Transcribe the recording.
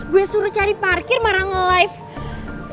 gue suruh cari parkir marah ngelive